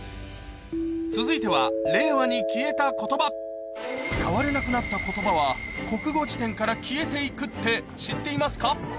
続いては令和に消えた言葉は国語辞典から消えていくって知っていますか？